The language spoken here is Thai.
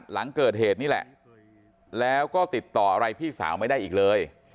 หลังเกิดเหตุนี่แหละแล้วก็ติดต่ออะไรพี่สาวไม่ได้อีกเลย